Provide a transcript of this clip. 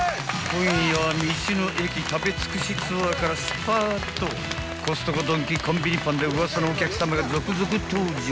［今夜は道の駅食べ尽くしツアーからすぱっとコストコドンキコンビニパンでウワサのお客さまが続々登場］